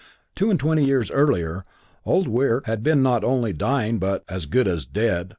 Two and twenty years earlier Old Wirk had been not only dying but "as good as dead."